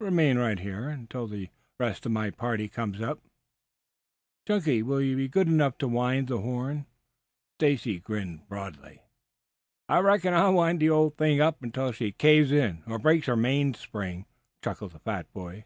"Remain right here until the rest of my party comes up." The stranger started. "Chunky, will you be good enough to wind the horn?" Stacy grinned broadly. "I reckon I'll wind the old thing up until she caves in or breaks her mainspring," chuckled the fat boy.